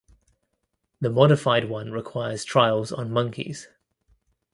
The modified one requires trials on monkeys.